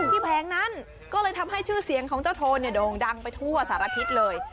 แผงนั้นก็เลยทำให้ชื่อเสียงของเจ้าโทนเนี่ยโด่งดังไปทั่วสารทิศเลย